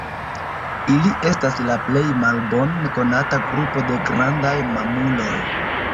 Ili estas la plej malbone konata grupo de grandaj mamuloj.